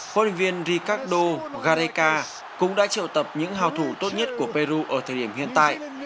huấn luyện viên rikado gareka cũng đã triệu tập những hào thủ tốt nhất của peru ở thời điểm hiện tại